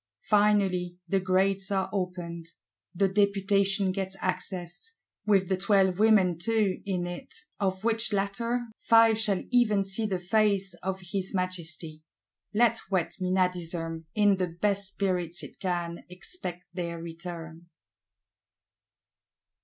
Finally the Grates are opened: the Deputation gets access, with the Twelve Women too in it; of which latter, Five shall even see the face of his Majesty. Let wet Menadism, in the best spirits it can expect their return.